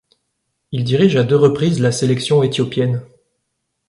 Il dirige à deux reprises la sélection éthiopienne.